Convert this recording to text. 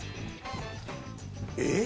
えっ？